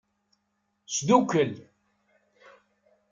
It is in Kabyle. Sdukkel.